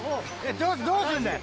どうすんだよ？